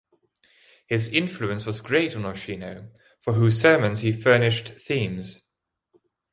His influence was great on Ochino, for whose sermons he furnished themes.